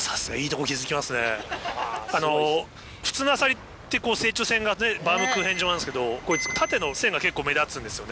普通のアサリって成長線がバウムクーヘン状なんですけどこいつ縦の線が結構目立つんですよね。